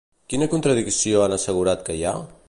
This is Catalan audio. Quina contradicció han assegurat que hi ha?